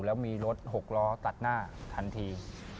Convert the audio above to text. แล้วมีรถ๖ล้อตัดหน้าทันที